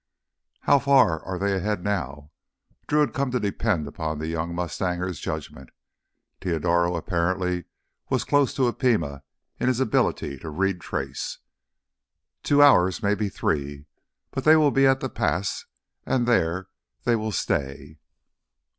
"How far are they ahead now?" Drew had come to depend upon the young mustanger's judgment. Teodoro apparently was close to a Pima in his ability to read trace. "Two hours—maybe three. But they will be at the pass and there they will stay."